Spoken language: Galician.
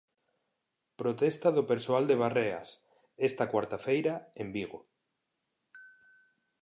Protesta do persoal de Barreas, esta cuarta feira, en Vigo.